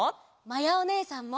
まやおねえさんも。